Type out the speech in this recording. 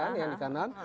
sarankan yang di kanan